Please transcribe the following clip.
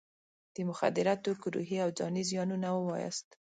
د مخدره توکو روحي او ځاني زیانونه ووایاست.